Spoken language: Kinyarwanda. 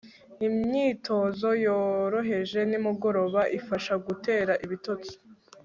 imyitozo yoroheje nimugoroba ifasha gutera ibitotsi